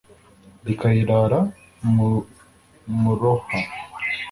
rikayirara mu muroha.